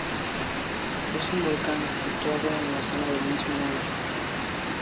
Es un volcán situado en la zona del mismo nombre.